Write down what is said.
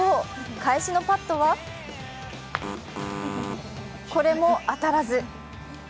返しのパットはこれも当たらず。